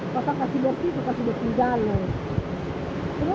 kota kasih bersih kita kasih bersih jalan